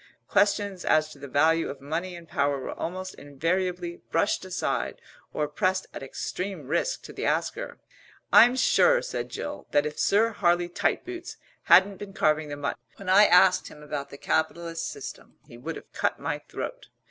Questions as to the value of money and power were almost invariably brushed aside, or pressed at extreme risk to the asker. "I'm sure," said Jill, "that if Sir Harley Tightboots hadn't been carving the mutton when I asked him about the capitalist system he would have cut my throat.